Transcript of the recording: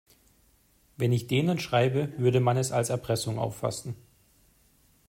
Wenn ich denen schreibe, würde man es als Erpressung auffassen.